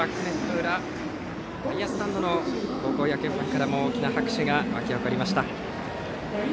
裏外野スタンドの高校野球ファンからも大きな拍手が沸き起こりました。